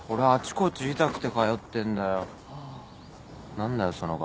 何だよその顔。